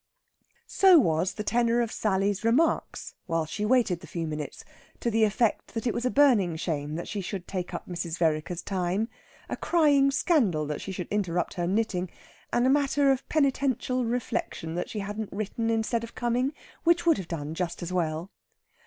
So was the tenor of Sally's remarks, while she waited the few minutes, to the effect that it was a burning shame that she should take up Mrs. Vereker's time, a crying scandal that she should interrupt her knitting, and a matter of penitential reflection that she hadn't written instead of coming, which would have done just as well.